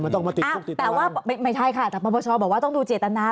ไม่แต่ว่าประเฉาที่บอกต้องดูเจตนา